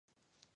長野県売木村